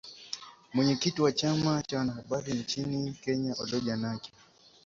Mwenyekiti wa chama cha wanahabari nchini Kenya Oloo Janak